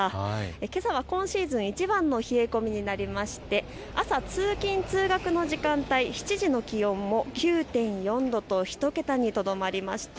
けさは今シーズンいちばんの冷え込みになりまして朝、通勤通学の時間帯７時の気温も９．４度と１桁にとどまりました。